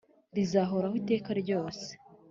rizahoraho iteka ryose